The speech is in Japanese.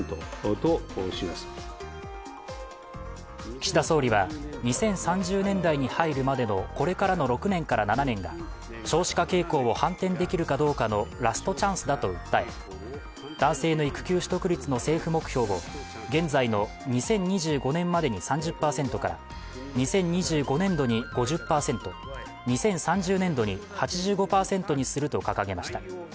岸田総理は２０３０年代に入るまでのこれからの６年から７年が少子化傾向を反転できるかどうかのラストチャンスだと訴え、男性の育休取得率の政府目標を現在の２０２５年までに３０％から２０２５年度に５０％、２０３０年度に８５％にすると掲げました。